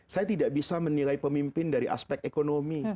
saya tidak bisa menilai pemimpin dari aspek ekonomi